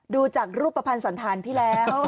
ดูจากรูปประพันธ์สอนทานพี่แล้ว